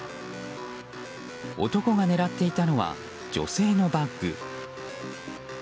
男が狙っていたのは女性のバッグ。